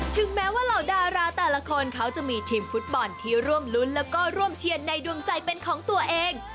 ถึงแม้ว่าเหล่าดาราแต่ละคนเขาจะมีทีมฟุตบอลที่ร่วมรุ้นแล้วก็ร่วมเชียร์ในดวงใจเป็นของตัวเอง